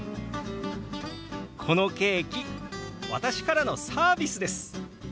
このケーキ私からのサービスです！